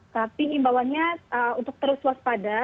tapi imbauannya untuk terus waspada